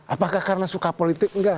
apakah karena suka politik enggak